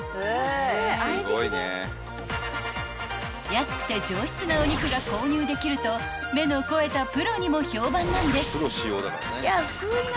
［安くて上質なお肉が購入できると目の肥えたプロにも評判なんです］